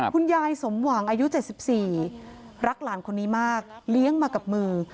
คุณยายสมหวังอายุ๗๔รักหลานคนนี้มากเลี้ยงมากับมือ